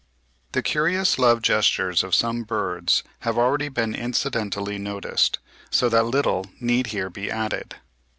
The curious love gestures of some birds have already been incidentally noticed; so that little need here be added.